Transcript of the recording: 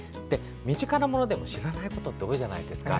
身近なものでも知らないことって多いじゃないですか。